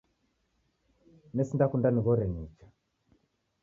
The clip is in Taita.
Nesinda kunda nighore nicha